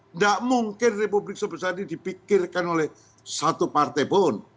tidak mungkin republik sebesar ini dipikirkan oleh satu partai pun